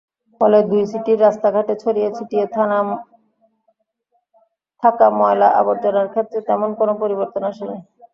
ফলে দুই সিটির রাস্তাঘাটে ছড়িয়ে-ছিটিয়ে থাকা ময়লা-আবর্জনার ক্ষেত্রে তেমন কোনো পরিবর্তন আসেনি।